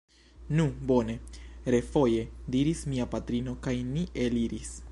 Nu, bone! refoje diris mia patrino kaj ni eliris.